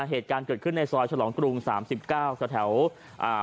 เหตุการณ์เกิดขึ้นในซอยฉลองกรุงสามสิบเก้าแถวแถวอ่า